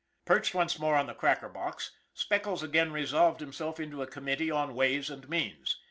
Perched once more on the cracker box, Speckles again resolved himself into a committee on ways and means.